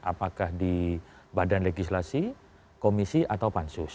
apakah di badan legislasi komisi atau pansus